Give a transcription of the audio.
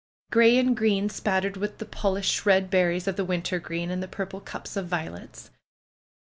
Gray and green, spattered with the polished red berries of the wintergreen, and the purple cups of violets